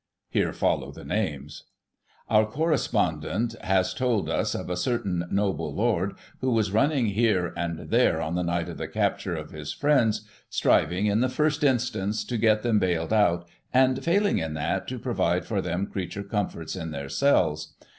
(Here follow the names.) Our Correspondent has told us of a certain noble lord, who was running here and there, on the 8* Digiti ized by Google ii6 GOSSIP. [1839 night of the capture of his friends, striving, in the first instance, to get them bailed out, and, failing in that, to provide for them creature comforts in their cells.